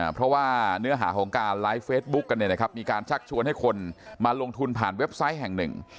เพราะว่าเนื้อหาของการไลฟ์เฟซบุ๊คกันมีการชักชวนให้คนมาลงทุนผ่านเว็บไซต์แห่งหนึ่ง